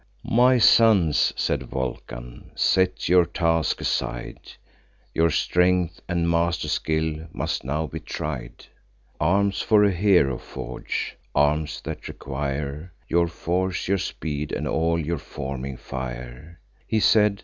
"My sons," said Vulcan, "set your tasks aside; Your strength and master skill must now be tried. Arms for a hero forge; arms that require Your force, your speed, and all your forming fire." He said.